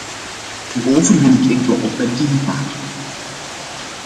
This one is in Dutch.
Hierover wil ik enkele opmerkingen maken.